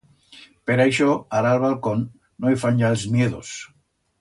Per aixó ara a'l balcón no i fan ya els niedos.